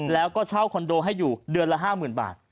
แล้วก็เช่าคอนโดให้อยู่เดือนละ๕๐๐๐บาท